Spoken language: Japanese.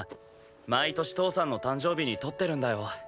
毎年父さんの誕生日に撮ってるんだよ。